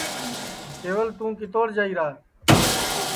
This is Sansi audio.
کیول تُو کِتوڑ جائیرا